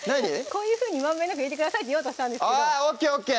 こういうふうにまんべんなく入れてくださいって言おうとしたあ